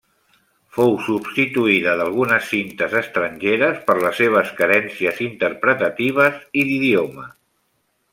Fou substituïda d'algunes cintes estrangeres per les seves carències interpretatives i d'idioma.